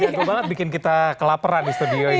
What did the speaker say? paling jago banget bikin kita kelaperan di studio ini